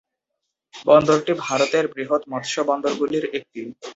বন্দরটি ভারতের বৃহৎ মৎস্য বন্দর গুলির একটি।